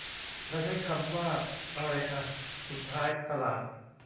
แล้วใช้คำว่าไรอ่ะสุดท้าย "ตลาด" ?